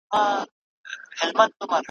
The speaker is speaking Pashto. چي لارښود وي چي ښوونکي استادان وي ,